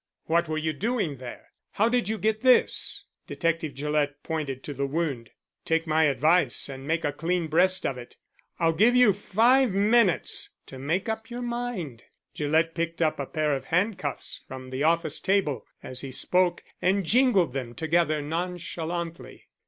"What were you doing there? How did you get this?" Detective Gillett pointed to the wound. "Take my advice and make a clean breast of it. I'll give you five minutes to make up your mind." Gillett picked up a pair of handcuffs from the office table as he spoke, and jingled them together nonchalantly.